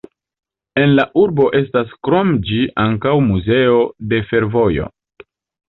En la urbo estas krom ĝi ankaŭ muzeo de fervojo.